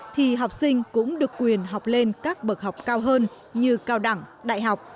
thì học sinh cũng được quyền học lên các bậc học cao hơn như cao đẳng đại học